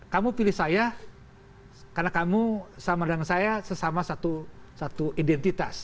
kamu pilih saya karena kamu sama dengan saya sesama satu identitas